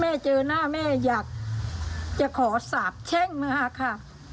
เจอหน้าแม่อยากจะขอสาบแช่งมาค่ะ